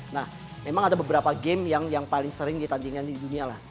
nah memang ada beberapa game yang paling sering ditandingkan di dunia lah